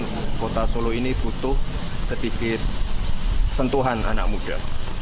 dan kota solo ini butuh sedikit sentuhan anak muda